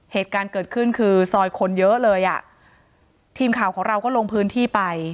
เหตุการณ์เกิดขึ้นคือซอยคนเยอะเลยอ่ะทีมข่าวของเราก็ลงพื้นที่ไป